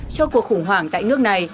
cho cuộc khủng hoảng tại nước này